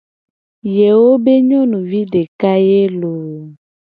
Yewo be nyonuvi deka ye loo.